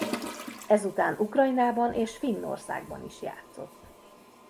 Ezután Ukrajnában és Finnországban is játszott.